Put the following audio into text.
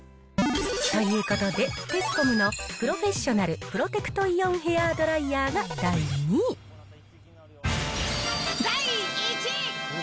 ということで、テスコムのプロフェッショナルプロテクトイオンヘアードライヤー第１位。